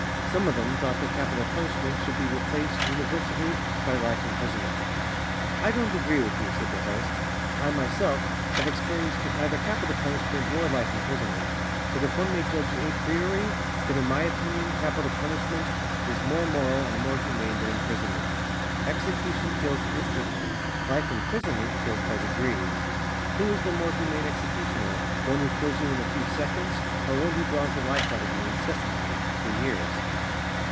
Some of them thought that capital punishment should be replaced universally by life imprisonment. "I don't agree with you," said the host. "I myself have experienced neither capital punishment nor life imprisonment, but if one may judge a priori, then in my opinion capital punishment is more moral and more humane than imprisonment. Execution kills instantly, life imprisonment kills by degrees. Who is the more humane executioner, one who kills you in a few seconds or one who draws the life out of you incessantly, for years?"